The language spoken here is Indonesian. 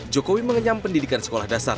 jokowi mengenyam pendidikan sekolah dasar